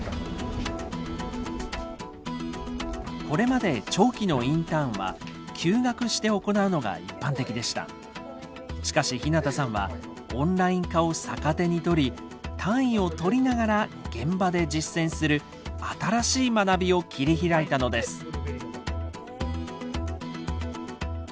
これまで長期のインターンはしかし日向さんはオンライン化を逆手にとり単位を取りながら現場で実践する新しい学びを切り開いたのです。